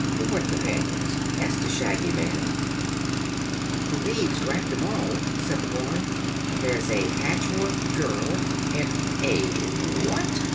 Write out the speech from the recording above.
"What companions?" asked the Shaggy Man. "The leaves grabbed them all," said the boy. "There's a Patchwork Girl and " "A what?"